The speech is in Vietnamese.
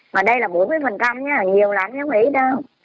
mà đây là bốn mươi nhé nhiều lắm không lấy đâu